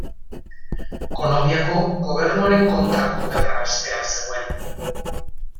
Kolonbiako gobernuaren kontrako gerra hastear zegoen.